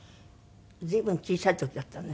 随分小さい時だったのね。